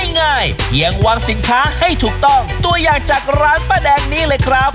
ง่ายเพียงวางสินค้าให้ถูกต้องตัวอย่างจากร้านป้าแดงนี้เลยครับ